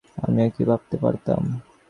আমিও কি ভাবতে পারতাম?